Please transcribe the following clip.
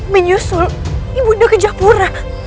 menyusul ibu do ke japura